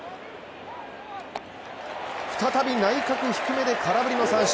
再び内角低めで空振りの三振。